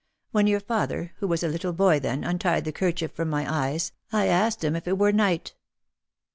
When your father, who was a little boy then, untied the kerchief from my eyes I asked him if it were night.